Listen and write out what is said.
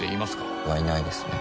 はいないですね